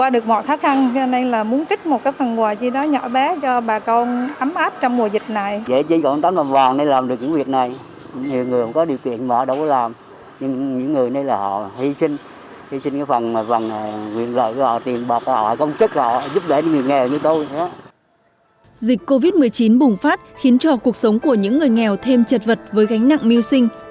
dịch covid một mươi chín bùng phát khiến cho cuộc sống của những người nghèo thêm chật vật với gánh nặng mưu sinh